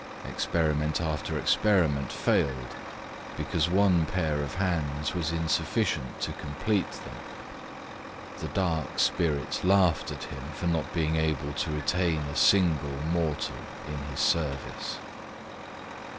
Experiment after experiment failed, because one pair of hands was insufficient to complete them: the dark spirits laughed at him for not being able to retain a single mortal in his service.